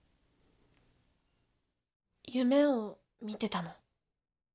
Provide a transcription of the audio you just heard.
夢を見てたの。